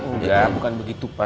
enggak bukan begitu pak